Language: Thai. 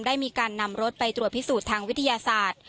ได้มีการนำรถไปตรวจพิสูจน์ทางวิทยาศาสตร์